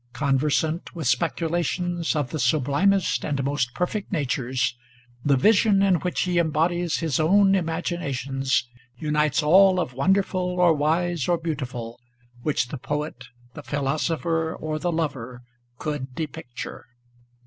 Conversant with speculations of the sublimest and most perfect natures, the vision in which he em bodies his own imaginations unites all of won derful or wise or beautiful, which the poet, the philosopher or the lover could depicture.